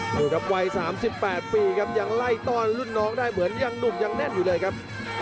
ดูครับวัย๓๘ปีครับยังไล่ต้อนรุ่นน้องได้เหมือนยังหนุ่มยังแน่นอยู่เลยครับ